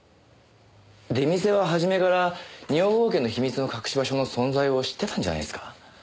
出店は初めから二百郷家の秘密の隠し場所の存在を知ってたんじゃないですか？